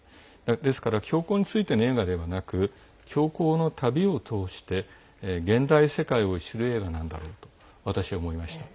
ですから教皇についての映画ではなく教皇の旅を通して現代世界を知る映画なんだろうと私は思いました。